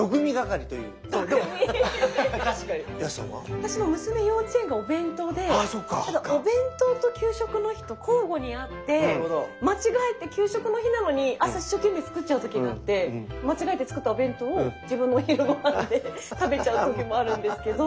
私も娘幼稚園がお弁当でお弁当と給食の日と交互にあって間違えて給食の日なのに朝一生懸命作っちゃう時があって間違えて作ったお弁当を自分のお昼ごはんで食べちゃう時もあるんですけど。